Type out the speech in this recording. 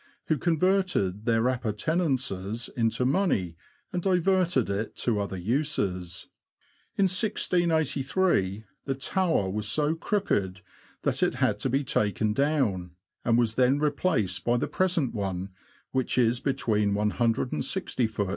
who converted their appurtenances into money and diverted it to other uses. In 1683, the tower was so crooked that it had to be taken down, and was then replaced by the present one, which is between i6oft.